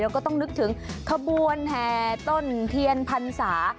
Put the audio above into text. เราก็ต้องนึกถึงคบรแหทนเทียนพันศา